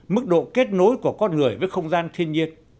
mức độ kết nối của con người với không gian thiên nhiên